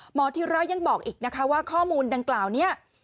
ธิระยังบอกอีกนะคะว่าข้อมูลดังกล่าวนี้